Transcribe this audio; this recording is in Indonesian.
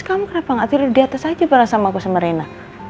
kamu kenapa nggak tidur di atas aja bareng sama aku semerena